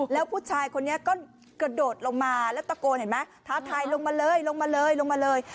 แล้วผู้ชายคนนี้ก็กระโดดลงมาแล้วตะโกนเห็นไหมท้าทายลงมาเลยลงมาเลยลงมาเลย